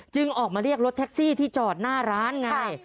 ออกมาเรียกรถแท็กซี่ที่จอดหน้าร้านไง